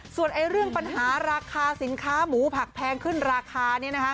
ส่วนเรื่องปัญหาราคาสินค้าหมูผักแพงขึ้นราคา